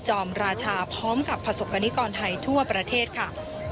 อมราชาพร้อมกับประสบกรณิกรไทยทั่วประเทศค่ะ